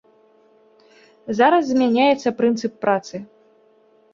Зараз змяняецца прынцып працы.